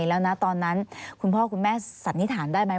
แล้วนะตอนนั้นคุณพ่อคุณแม่สันนิษฐานได้ไหม